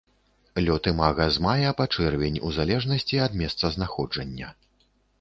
Лёт імага з мая па чэрвень у залежнасці ад месцазнаходжання.